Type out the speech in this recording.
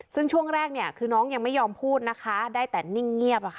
ซึ่งช่วงแรกเนี่ยคือน้องยังไม่ยอมพูดนะคะได้แต่นิ่งเงียบอะค่ะ